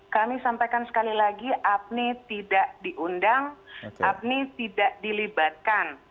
kami sampaikan sekali lagi apni tidak diundang apni tidak dilibatkan